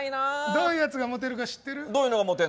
どういうやつがモテるか知ってる？